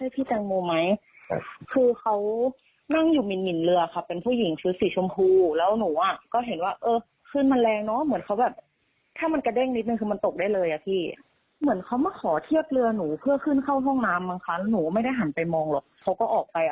เพื่อขึ้นเข้าห้องน้ำบางครั้งหนูไม่ได้หันไปมองหรอกเขาก็ออกไป